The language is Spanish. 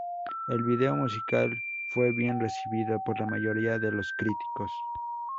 El video musical fue bien recibido por la mayoría de los críticos.